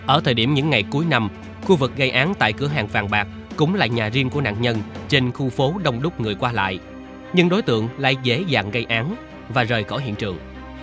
ở thời điểm những ngày cuối năm khu vực gây án tại cửa hàng vàng bạc cũng là nhà riêng của nạn nhân trên khu phố đông đúc người qua lại nhưng đối tượng lại dễ dàng gây án và rời khỏi hiện trường